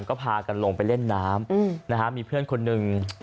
ก็พากันลงไปเล่นน้ำนะฮะมีเพื่อนคนหนึ่ง